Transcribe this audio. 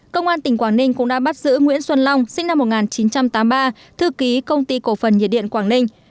công an tỉnh quảng ninh cũng đã bắt giữ nguyễn xuân long sinh năm một nghìn chín trăm tám mươi ba thư ký công ty cổ phần nhiệt điện quảng ninh